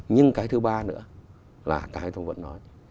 nhưng cái thứ ba nữa là đại thông vẫn nói